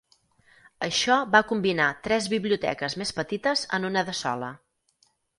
Això va combinar tres biblioteques més petites en una de sola.